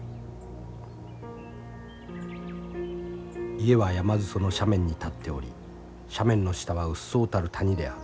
「家は山裾の斜面に建っており斜面の下はうっそうたる谷である。